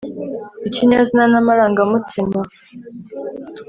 ikinyazina n’amarangamutima